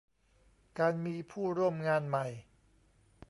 การมีผู้ร่วมงานใหม่